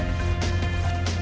dan itu kita bangun